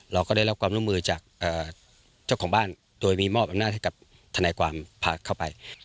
เราก็ได้รับความร่วมมือจากเจ้าของบ้านโดยมีมอบอำนาจให้กับทนายความพาเข้าไป